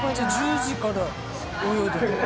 １０時から泳いでるのね